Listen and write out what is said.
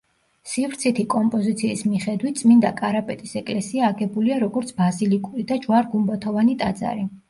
სივრცითი კომპოზიციის მიხედვით წმინდა კარაპეტის ეკლესია აგებულია, როგორც ბაზილიკური და ჯვარ-გუმბათოვანი ტაძარი.